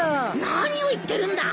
何を言ってるんだ！